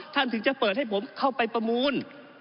ถึงจะเปิดให้ผมเข้าไปประมูล